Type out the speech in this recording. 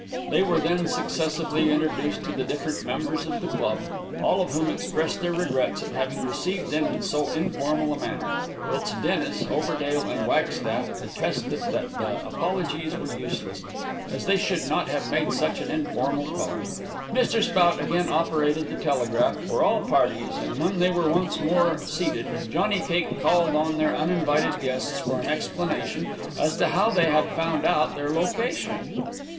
They were then successively introduced to the different members of the club, all of whom expressed their regrets at having received them in so informal a manner, whilst Dennis, Overdale, and Wagstaff, protested that the apologies were useless, as they should not have made such an informal call. Mr. Spout again operated the telegraph for all parties, and when they were once more seated, Johnny Cake called on their uninvited guests for an explanation as to how they had found out their location.